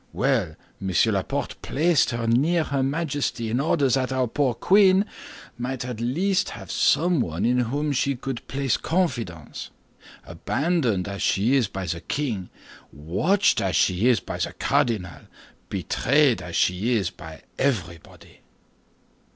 Well, Monsieur Laporte placed her near her Majesty in order that our poor queen might at least have someone in whom she could place confidence, abandoned as she is by the king, watched as she is by the cardinal, betrayed as she is by everybody."